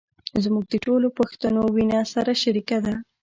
زموږ د ټولو پښتنو وينه سره شریکه ده.